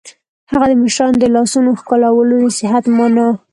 هغه د مشرانو د لاسونو ښکلولو نصیحت مانه